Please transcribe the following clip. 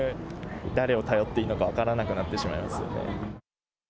誰を頼っていいのか分からなくなってしまいますね。